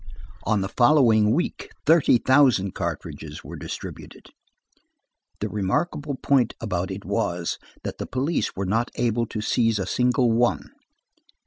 On the following week thirty thousand cartridges were distributed. The remarkable point about it was, that the police were not able to seize a single one.